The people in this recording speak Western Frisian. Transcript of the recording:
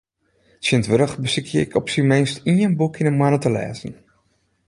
Tsjintwurdich besykje ik op syn minst ien boek yn ’e moanne te lêzen.